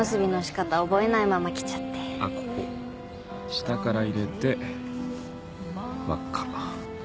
下から入れて輪っか。